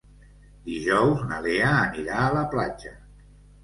Dijous na Lea anirà a la platja.